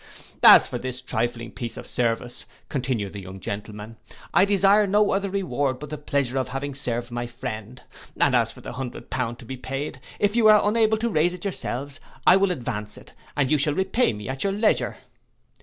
'As for this trifling piece of service,' continued the young gentleman, 'I desire no other reward but the pleasure of having served my friend; and as for the hundred pound to be paid, if you are unable to raise it yourselves, I will advance it, and you shall repay me at your leisure.